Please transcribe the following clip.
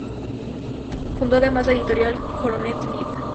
Fundó además la editorial "Coronet liv".